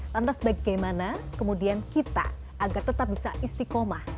lantas bagaimana kemudian kita agar tetap bisa istiqomah